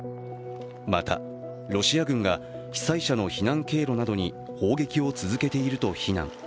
また、ロシア軍が被災者の避難経路などに砲撃を続けていると非難。